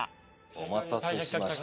お待たせしました。